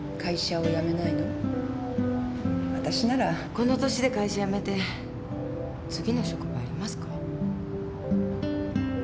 この年で会社辞めて次の職場ありますか？